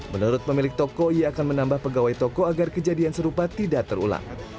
menurut pemilik toko ia akan menambah pegawai toko agar kejadian serupa tidak terulang